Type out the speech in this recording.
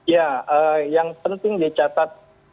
ya yang penting dicatat